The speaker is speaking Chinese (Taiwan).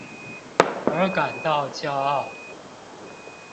而感到驕傲